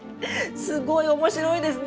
すごい面白いですね。